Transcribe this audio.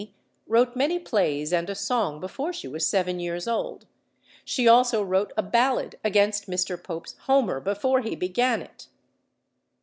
wrote many plays and a song before she was seven years old: she also wrote a ballad against Mr. Pope's Homer before he began it."